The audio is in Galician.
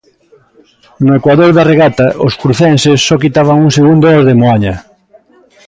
No ecuador da regata, os crucenses só quitaban un segundo aos de Moaña.